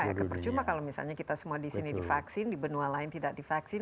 ya percuma kalau misalnya kita semua di sini divaksin di benua lain tidak divaksin